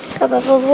gak apa apa bu